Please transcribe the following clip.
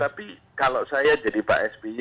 tapi kalau saya jadi pak sby